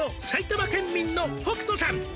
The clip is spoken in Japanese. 「埼玉県民の北斗さん」